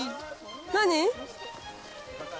何？